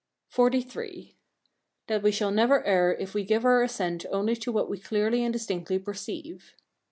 XLIII. That we shall never err if we give our assent only to what we clearly and distinctly perceive.